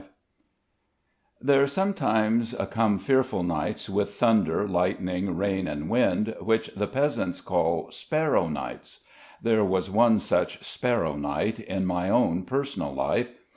V There sometimes come fearful nights with thunder, lightning, rain, and wind, which the peasants call "sparrow nights." There was one such sparrow night in my own personal life....